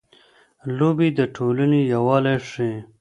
لوبې د ټولنې یووالی ښيي.